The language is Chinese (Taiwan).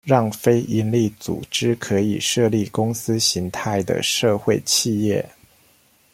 讓非營利組織可以設立公司型態的社會企業